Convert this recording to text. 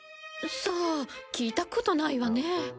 さあ聞いたことないわね。